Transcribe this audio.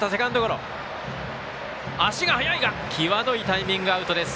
足が速いが、際どいタイミングアウトです。